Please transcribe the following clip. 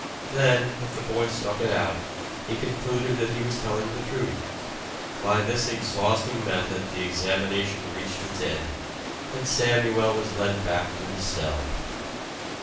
Then, if the boy stuck it out, he concluded that he was telling the truth. By this exhausting method the examination reached its end, and Samuel was led back to his cell.